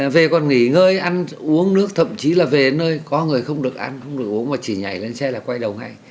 về còn nghỉ ngơi ăn uống nước thậm chí là về nơi có người không được ăn không được uống mà chỉ nhảy lên xe là quay đầu ngay